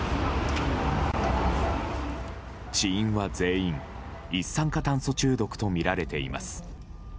死因は全員、一酸化炭素中毒とみられています。